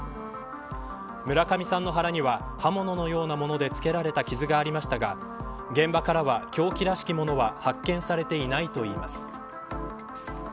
村上さんの腹には刃物のようなものでつけられた傷がありましたが現場からは凶器らしきものは発見されていないといいます。